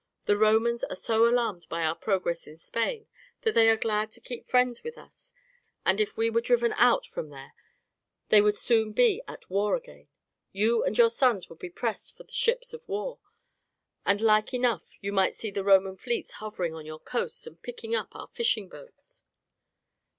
The Romans are so alarmed by our progress in Spain that they are glad to keep friends with us, but if we were driven out from there they would soon be at war again. You and your sons would be pressed for the ships of war, and like enough you might see the Roman fleets hovering on our coasts and picking up our fishing boats."